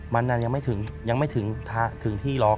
มันนั้นยังไม่ถึงที่รอบ